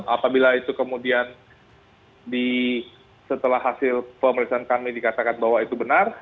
apabila itu kemudian setelah hasil pemeriksaan kami dikatakan bahwa itu benar